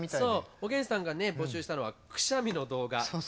おげんさんが募集したのはくしゃみの動画。